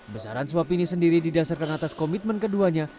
besaran suap ini sendiri didasarkan atas komitmen keduanya